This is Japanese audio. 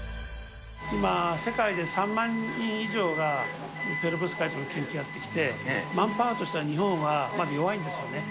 今、世界で３万人以上がペロブスカイトの研究やってきて、マンパワーとしては日本はまだ弱いんですよね。